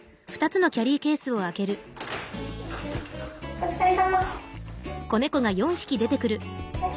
お疲れさま。